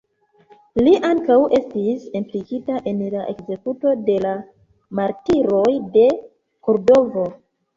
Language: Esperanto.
Li ankaŭ estis implikita en la ekzekuto de la "Martiroj de Kordovo".